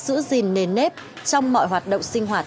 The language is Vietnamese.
giữ gìn nền nếp trong mọi hoạt động sinh hoạt